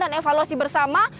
dan evaluasi bersama